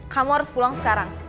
kamu harus pulang sekarang